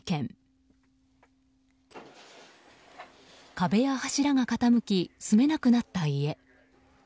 壁や柱が傾き住めなくなった家。